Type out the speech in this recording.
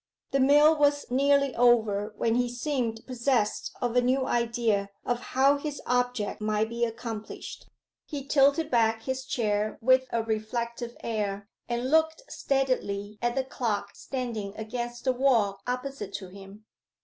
The meal was nearly over when he seemed possessed of a new idea of how his object might be accomplished. He tilted back his chair with a reflective air, and looked steadily at the clock standing against the wall opposite to him.